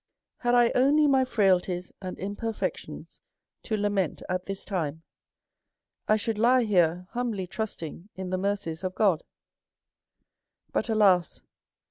" Had I only my frailties and imperfections to la ment at this time, I should lie here humbly trusting in the mercies of God. But, alas!